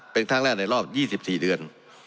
เป็นครั้งแรกในรอบ๒๔เดือน